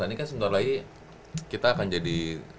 ini kan sebentar lagi kita akan jadi